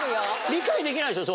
理解できないでしょ？